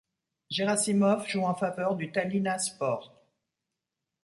Gerassimov joue en faveur du Tallinna Sport.